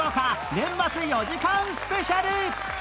年末４時間スペシャル